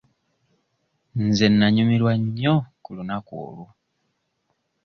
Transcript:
Nze nnanyumirwa nnyo ku lunaku olwo.